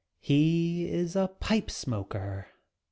He is a pipe smoker.